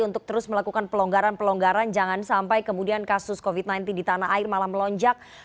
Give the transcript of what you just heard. untuk terus melakukan pelonggaran pelonggaran jangan sampai kemudian kasus covid sembilan belas di tanah air malah melonjak